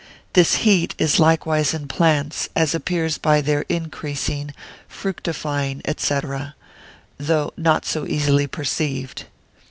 This heat is likewise in plants, as appears by their increasing, fructifying, &c., though not so easily perceived.